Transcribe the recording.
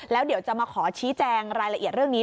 แล้วเดี๋ยวจะมาขอชี้แจงรายละเอียดเรื่องนี้